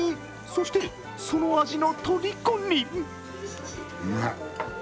そして、その味のとりこに。